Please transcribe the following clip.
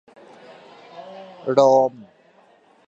โรม